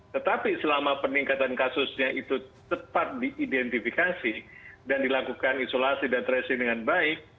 tetapi selama peningkatan kasusnya itu cepat diidentifikasi dan dilakukan isolasi dan tracing dengan baik